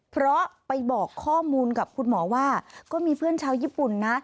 เพราะไปบอกข้อมูลกับคุณหมอว่าก็มีเพื่อนชาวญี่ปุ่นนะ